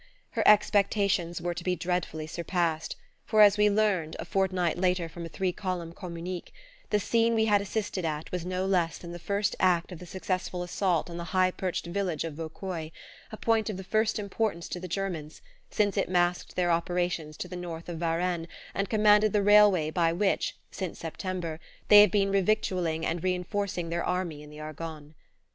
Her expectations were to be dreadfully surpassed; for, as we learned a fortnight later from a three column communique, the scene we had assisted at was no less than the first act of the successful assault on the high perched village of Vauquois, a point of the first importance to the Germans, since it masked their operations to the north of Varennes and commanded the railway by which, since September, they have been revictualling and reinforcing their army in the Argonne.